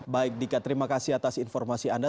baik dika terima kasih atas informasi anda